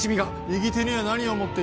・右手には何を持っていた？